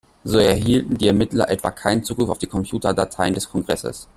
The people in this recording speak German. So erhielten die Ermittler etwa keinen Zugriff auf die Computer-Dateien des Kongresses.